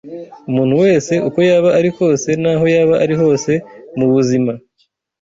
Umuntu wese, uko yaba ari kose n’aho yaba ari hose mu buzima